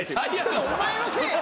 お前のせいや。